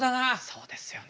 そうですよね。